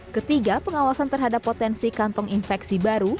ketiga pengawasan terhadap potensi kantong infeksi baru